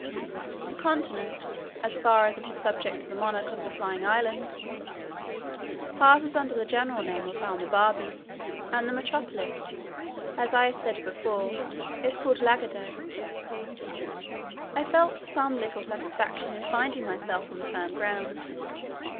The continent, as far as it is subject to the monarch of the flying island, passes under the general name of Balnibarbi; and the metropolis, as I said before, is called Lagado. I felt some little satisfaction in finding myself on firm ground.